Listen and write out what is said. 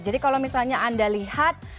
jadi kalau misalnya anda lihat